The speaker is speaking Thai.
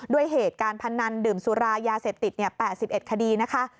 ด้วยเหตุการพนันดื่มสุรายาเสพติด๘๑คดีนะคะ